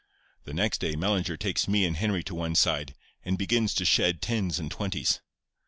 "The next day Mellinger takes me and Henry to one side, and begins to shed tens and twenties.